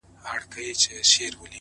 o خو دې به سمعې څو دانې بلــــي كړې؛